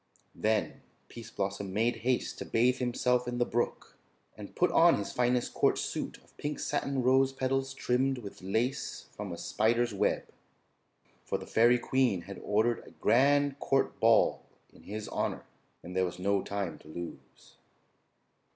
Then Pease Blossom made haste to bathe himself in the brook, and put on his finest court suit of pink satin rose petals trimmed with lace from a spider's web; for the fairy queen had ordered a grand court ball in his honor, and there was no time to lose.